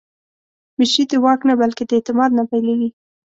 مشري د واک نه، بلکې د اعتماد نه پیلېږي